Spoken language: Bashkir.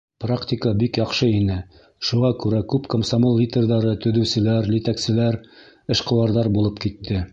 Практика бик яҡшы ине, шуға күрә күп комсомол лидерҙары төҙөүселәр, етәкселәр, эшҡыуарҙар булып китте.